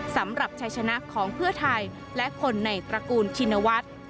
สำหรับชัยชนะของเพื่อไทยและคนในตระกูลชินวัฒน์